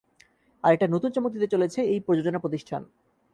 আরেকটা নতুন চমক দিতে চলেছে এই প্রযোজনা প্রতিষ্ঠান।